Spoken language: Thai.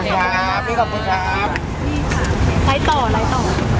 ไล่ต่อไล่ต่อ